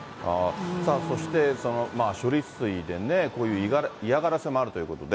そして、処理水でね、こういう嫌がらせもあるということで。